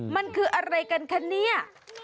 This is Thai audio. มันคืออะไรกันคะเนี่ย